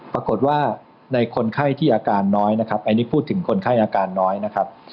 ปรากฏว่าในคนไข้ที่อาการน้อยนะครับอันนี้พูดถึงคนไข้อาการน้อยนะครับ